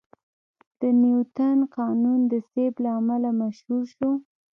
د نیوتن قانون د سیب له امله مشهور شو.